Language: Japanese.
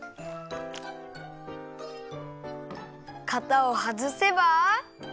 かたをはずせば。